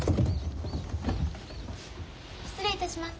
・失礼いたします。